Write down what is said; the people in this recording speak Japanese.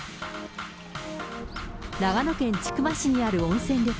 長野県千曲市にある温泉旅館。